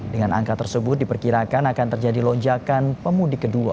dengan angka tersebut diperkirakan akan terjadi lonjakan pemudik kedua